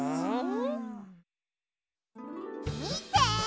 みて！